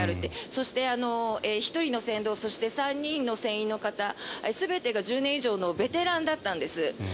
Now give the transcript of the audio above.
そして、１人の船頭そして３人の船員の方全てが１０年以上のベテランだったんです。